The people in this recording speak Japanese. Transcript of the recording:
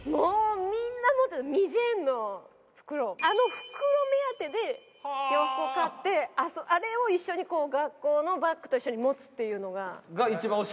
あの袋目当てで洋服を買ってあれを一緒に学校のバッグと一緒に持つっていうのがもう。